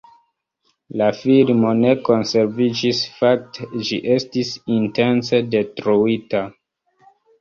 La filmo ne konserviĝis, fakte ĝi estis intence detruita.